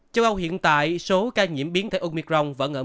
châu âu hiện tại số ca nhiễm biến thể omicron